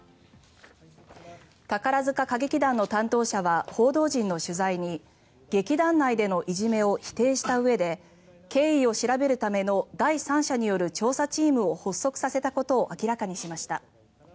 宝塚歌劇団の担当者は報道陣の取材に劇団内でのいじめを否定したうえで経緯を調べるための第三者による調査チームを発足させたことを明らかにしました。